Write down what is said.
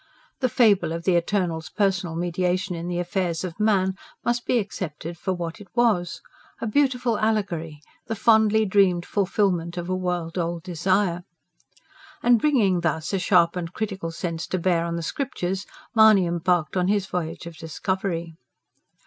The fable of the Eternal's personal mediation in the affairs of man must be accepted for what it was a beautiful allegory, the fondly dreamed fulfilment of a world old desire. And bringing thus a sharpened critical sense to bear on the Scriptures, Mahony embarked on his voyage of discovery.